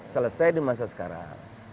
selesai di masa sekarang